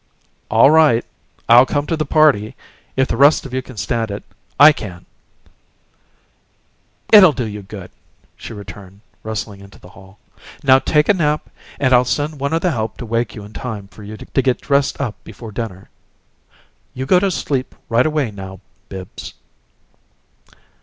"All right. I'll come to the party. If the rest of you can stand it, I can!" "It 'll do you good," she returned, rustling into the hall. "Now take a nap, and I'll send one o' the help to wake you in time for you to get dressed up before dinner. You go to sleep right away, now, Bibbs!"